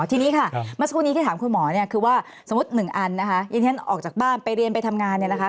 ทีนี้ค่ะเมื่อสักครู่นี้ที่ถามคุณหมอเนี่ยคือว่าสมมุติหนึ่งอันนะคะที่ฉันออกจากบ้านไปเรียนไปทำงานเนี่ยนะคะ